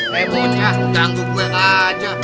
remon ya ganggu gue aja